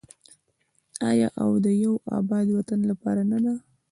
آیا او د یو اباد وطن لپاره نه ده؟